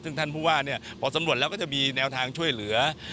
ซึ่งท่านผู้ว่าพอสำรวจแล้วก็จะมีแนวทางช่วยเหลือ